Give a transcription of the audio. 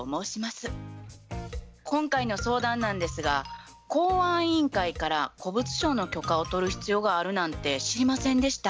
今回の相談なんですが公安委員会から古物商の許可を取る必要があるなんて知りませんでした。